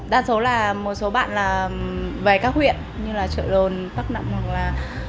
đa số là một số bạn là về các huyện như là trợ lồn tắc nặng hoặc là